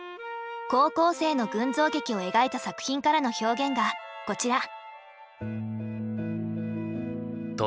高校生の群像劇を描いた作品からの表現がこちら。